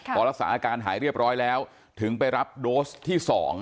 พอรักษาอาการหายเรียบร้อยแล้วถึงไปรับโดสที่๒